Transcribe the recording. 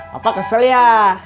bapak kesel ya